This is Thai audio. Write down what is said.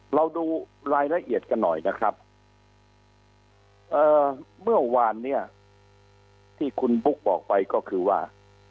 เราดูรายละเอียดกันหน่อยนะครับเมื่อวานเนี่ยที่คุณบุ๊กบอกไปก็คือว่า